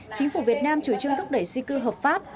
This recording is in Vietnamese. chính phủ việt nam chủ trương thúc đẩy di cư hợp pháp